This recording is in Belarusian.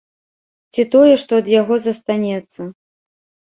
Ці тое, што ад яго застанецца.